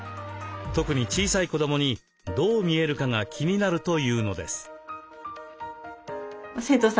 特に小さい子どもにどう見えるかが気になるというのです。